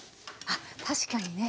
あっ確かにね